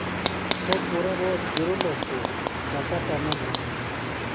سوۡ پُرہ روت گِرِلوۡ خو گہ پتہ نہ بِھلوۡ۔